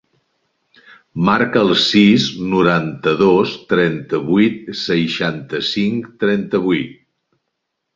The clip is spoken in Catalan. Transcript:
Marca el sis, noranta-dos, trenta-vuit, seixanta-cinc, trenta-vuit.